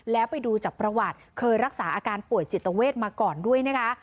แล้วไปดูจากประวัติเคยรักษาอาการป่วยจิตเวทมาก่อนด้วยนะคะ